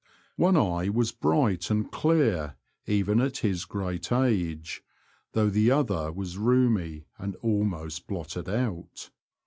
One eye was bright and clear even at his great age, though the other was rheumy, and almost blotted out.